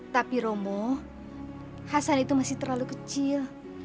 tapi romo hasan itu masih terlalu kecil